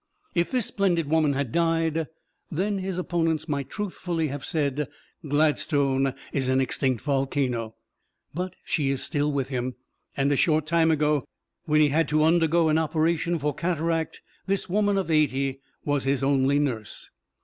If this splendid woman had died, then his opponents might truthfully have said, "Gladstone is an extinct volcano"; but she is still with him, and a short time ago, when he had to undergo an operation for cataract, this woman of eighty was his only nurse.